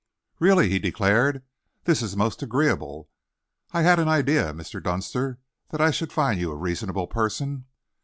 "Really," he declared, "this is most agreeable. I had an idea, Mr. Dunster, that I should find you a reasonable person.